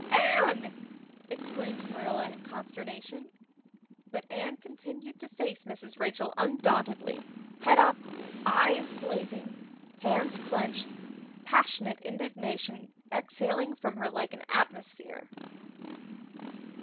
"Anne!" exclaimed Marilla in consternation. But Anne continued to face Mrs. Rachel undauntedly, head up, eyes blazing, hands clenched, passionate indignation exhaling from her like an atmosphere.